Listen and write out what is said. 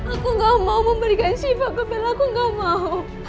aku gak mau memberikan siva ke bella aku gak mau